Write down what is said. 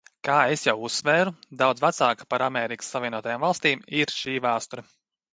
Kā es jau uzsvēru, daudz vecāka par Amerikas Savienotajām Valstīm ir šī vēsture.